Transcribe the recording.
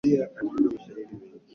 dawa zote zina madhara yake.